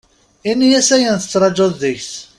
Ini-as ayen tettrajuḍ deg-s.